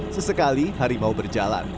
sesekali harimau berjalan